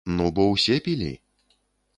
Ну бо ўсе пілі.